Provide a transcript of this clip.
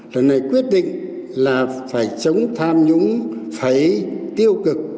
lần này quyết định là phải chống tham nhũng phải tiêu cực